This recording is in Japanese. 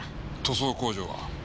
塗装工場は？